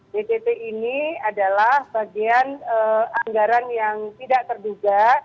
dtp ini adalah bagian anggaran yang tidak terduga